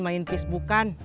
main pis bukan